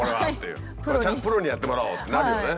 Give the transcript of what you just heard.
「ちゃんとプロにやってもらおう」ってなるよね。